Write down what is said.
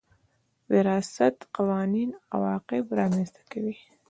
وراثت قوانين عواقب رامنځ ته کوي.